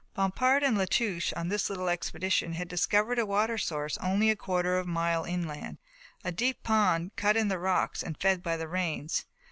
Bompard and La Touche on this little expedition had discovered a water source only a quarter of a mile inland, a deep pond cut in the rocks and fed by the rains.